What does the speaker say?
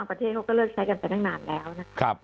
ประเทศเขาก็เลิกใช้กันไปตั้งนานแล้วนะครับ